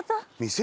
店？